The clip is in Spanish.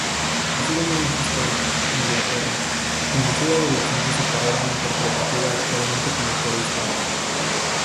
Nacida en Mánchester, Inglaterra, inició de adolescente su carrera interpretativa actuando como corista.